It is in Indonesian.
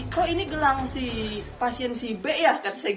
kok ini gelang si pasien si b ya